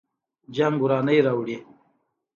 جنګ ورانی راوړي